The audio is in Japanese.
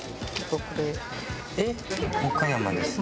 岡山ですね。